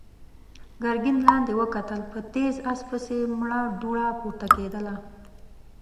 ګرګين لاندې وکتل، په تېز آس پسې مړه دوړه پورته کېدله.